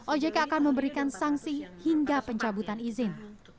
ojk akan memberikan sanksi hingga pencabutan izin